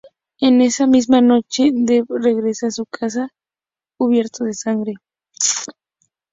En esa misma noche, Dave regresa a su casa cubierto de sangre.